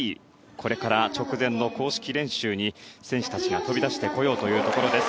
これから、直前の公式練習に選手たちが飛び出してくるところです。